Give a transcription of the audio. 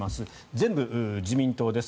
全部、自民党です。